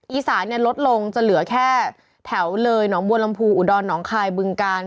อีสานลดลงจะเหลือแค่แถวเลยหนองบัวลำพูอุดรหนองคายบึงกาล